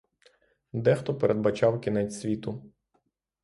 Дехто передбачав кінець світу.